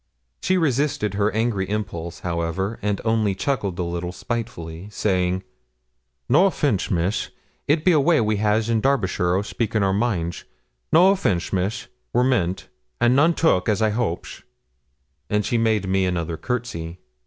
She resisted her angry impulse, however, and only chuckled a little spitefully, saying, 'No offence, miss: it be a way we has in Derbyshire o' speaking our minds. No offence, miss, were meant, and none took, as I hopes,' and she made me another courtesy.